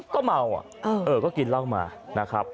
ก็เมาอ่ะเออก็กินเล่ามานะครับ